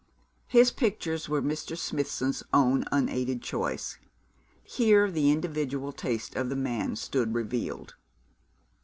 His pictures were Mr. Smithson's own unaided choice. Here the individual taste of the man stood revealed.